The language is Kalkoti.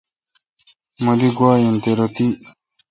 مہ دی گوا این تہ رو تی۔